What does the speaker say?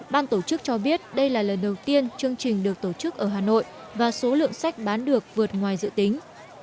ban tổ chức cho biết đây là lần đầu tiên chương trình được tổ chức ở hà nội và số lượng sách bán được vượt ngoài dự tính